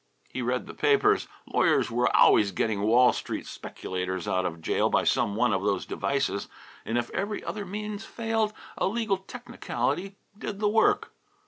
He read the papers. Lawyers were always getting Wall Street speculators out of jail by some one of those devices; and if every other means failed a legal technicality did the work.